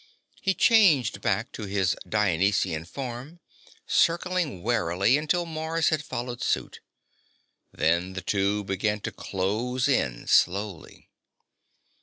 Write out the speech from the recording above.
He changed back to his Dionysian form, circling warily until Mars had followed suit. Then the two began to close in slowly.